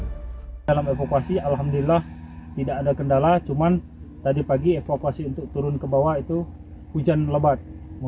dalam evakuasi alhamdulillah tidak ada kendala cuman tadi pagi evakuasi untuk turun ke bawah itu hujan lebat